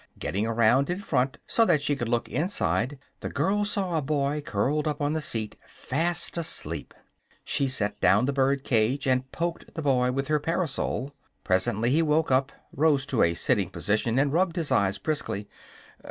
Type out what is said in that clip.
Getting around in front, so that she could look inside, the girl saw a boy curled up on the seat, fast asleep. She set down the bird cage and poked the boy with her parasol. Presently he woke up, rose to a sitting position and rubbed his eyes briskly.